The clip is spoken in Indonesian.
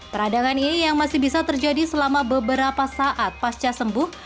peradangan ini yang masih bisa terjadi selama beberapa saat pasca sembuh